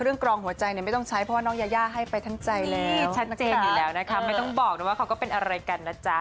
เค้าน่าจะยังไม่ถึงบ้านแต่นุ้ยซื้อเครื่องกรองอากาศให้ค่ะ